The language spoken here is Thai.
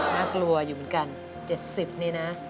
น่ากลัวอยู่เหมือนกัน๗๐นี่นะ